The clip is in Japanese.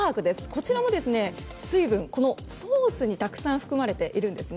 こちらも水分がソースにたくさん含まれています。